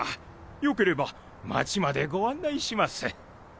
よければ町までご案内します。